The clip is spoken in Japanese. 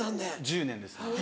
１０年です。